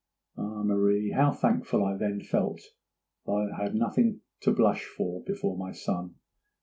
Ah, Marie, how thankful I then felt that I had nothing to blush for before my son!